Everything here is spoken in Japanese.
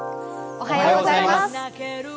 おはようございます。